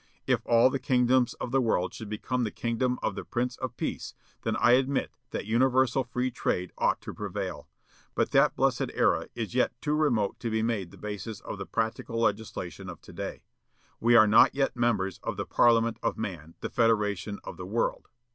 If all the kingdoms of the world should become the kingdom of the Prince of Peace, then I admit that universal free trade ought to prevail. But that blessed era is yet too remote to be made the basis of the practical legislation of to day. We are not yet members of 'the parliament of man, the federation of the world.'